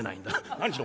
何しろ